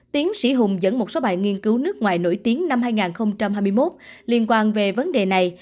tiến sĩ hùng dẫn một số bài nghiên cứu nước ngoài nổi tiếng năm hai nghìn hai mươi một liên quan về vấn đề này